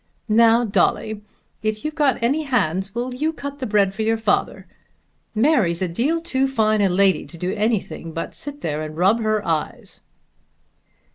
Now, Dolly, if you've got any hands will you cut the bread for your father? Mary's a deal too fine a lady to do anything but sit there and rub her eyes."